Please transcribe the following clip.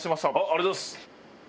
ありがとうございます！